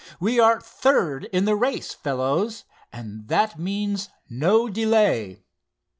"We are third in the race, fellows, and that means no delay."